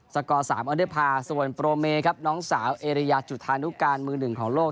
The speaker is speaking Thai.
กอร์๓ออเดอร์พาร์ส่วนโปรเมครับน้องสาวเอริยาจุธานุการมือหนึ่งของโลก